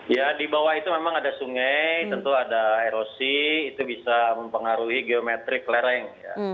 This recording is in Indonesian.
ya di bawah itu memang ada sungai tentu ada erosi itu bisa mempengaruhi geometrik lereng